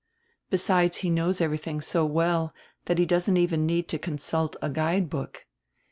Besides, he knows everydiing so well diat he doesn't even need to con sult a guide book.